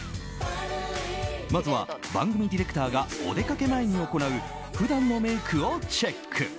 まずは、番組ディレクターがお出かけ前に行う普段のメイクをチェック。